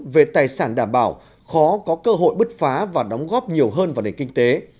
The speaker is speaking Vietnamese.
về tài sản đảm bảo khó có cơ hội bứt phá và đóng góp nhiều hơn vào nền kinh tế